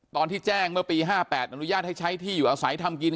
ตอนที่แจ้งเมื่อปี๕๘อนุญาตให้ใช้ที่อยู่อาศัยทำกิน